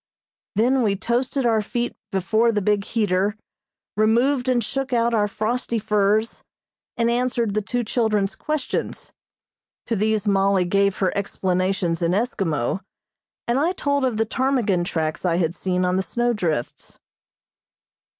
Then we toasted our feet before the big heater, removed and shook out our frosty furs, and answered the two children's questions. To these Mollie gave her explanations in Eskimo, and I told of the ptarmigan tracks I had seen on the snow drifts.